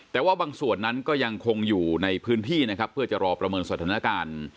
แต่ว่าบางส่วนนั้นก็ยังคงอยู่ในพื้นที่นะครับเพื่อจะรอประเมินสถานการณ์